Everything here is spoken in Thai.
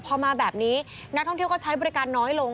พอมาแบบนี้นักท่องเที่ยวก็ใช้บริการน้อยลง